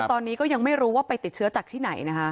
ตอนนี้ก็ยังไม่รู้ว่าไปติดเชื้อจากที่ไหนนะคะ